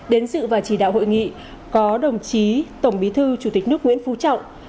đến sự và chỉ đạo hội nghị có đồng chí tổng bí thư chủ tịch nước nguyễn phú trọng